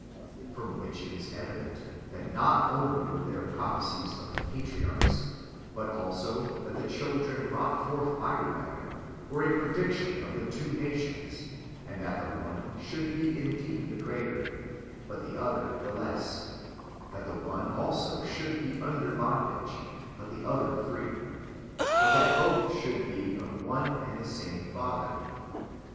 "^ From which it is evident, that not only [were there] pro phecies of the patriarchs, but also that the children brought forth by Eebecca were a prediction of the two nations ; and that the one should be indeed the greater, but the other the less; that the one also should be under bondage, but the other free ; but [that both should be] of one and the same father.